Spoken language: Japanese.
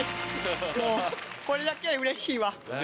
もうこれだけでうれしいわ。